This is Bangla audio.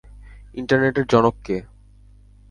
ইন্টারনেটের জনক কে?